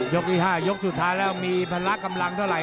ที่๕ยกสุดท้ายแล้วมีพละกำลังเท่าไห